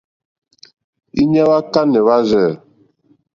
Íɲá hwá kánɛ̀ hwârzɛ̂.